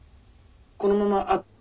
このままあっ